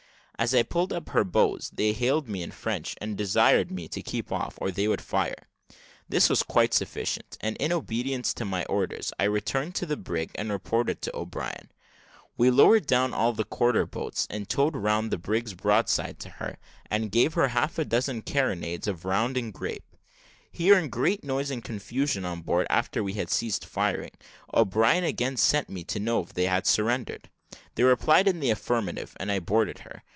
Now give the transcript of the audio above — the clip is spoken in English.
As I pulled up to her bows, they hailed me in French, and desired me to keep off, or they would fire. This was quite sufficient; and, in obedience to my orders, I returned to the brig and reported to O'Brien. We lowered down all the quarter boats, and towed round the brig's broadside to her, and then gave her half a dozen carronades of round and grape. Hearing great noise and confusion on board, after we had ceased firing, O'Brien again sent me to know if they had surrendered. They replied in the affirmative; and I boarded her.